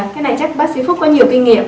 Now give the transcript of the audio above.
cái này chắc bác sĩ phúc có nhiều kinh nghiệm